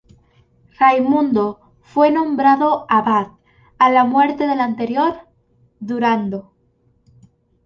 Raimundo fue nombrado abad a la muerte del anterior, Durando.